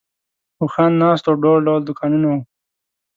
اوښان ناست وو او ډول ډول دوکانونه وو.